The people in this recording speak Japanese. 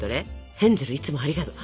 「ヘンゼルいつもありがとう」。